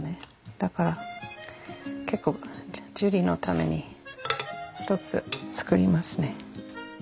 だから結構ジュリのために一つつくりますね。